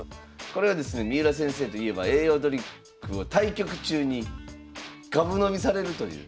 これはですね三浦先生といえば栄養ドリンクを対局中にがぶ飲みされるという。